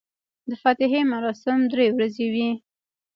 د فاتحې مراسم درې ورځې وي.